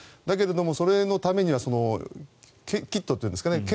だけど、それのためにはキットというんですかね